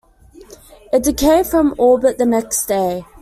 It decayed from orbit the next day.